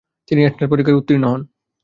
তিনি এন্ট্র্যান্স পরীক্ষায় উত্তীর্ণ হন।